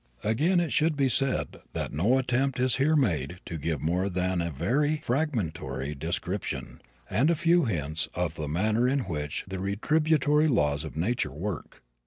Again it should be said that no attempt is here made to give more than a very fragmentary description, and a few hints, of the manner in which the retributory laws of nature work.